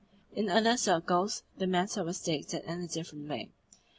In other circles the matter was stated in a different way.